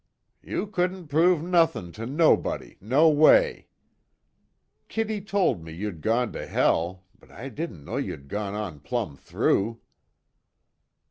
"You couldn't prove nothin' to nobody, noway. Kitty told me you'd gone to hell but, I didn't know you'd gone on plumb through."